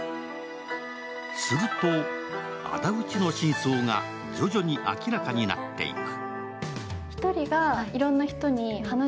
すると、あだ討ちの真相が徐々に明らかになっていく。